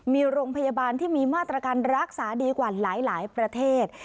มีโรงพยาบาลที่มีมาตรการรักษาดีกว่าหลายประเทศ